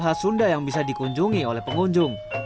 semuanya adalah hal yang bisa dikunjungi oleh pengunjung